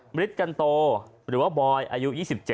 มฤทธิกันโตหรือว่าบอยอายุ๒๗